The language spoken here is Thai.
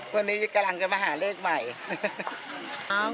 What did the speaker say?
วันนี้กำลังจะมาหาเลขใหม่